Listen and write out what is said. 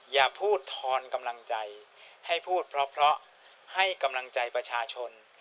อย่าพูดทอนกำลังใจให้พูดเพราะให้กำลังใจประชาชน